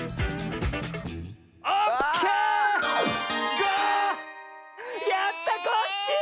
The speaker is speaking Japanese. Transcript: ５！やったコッシー！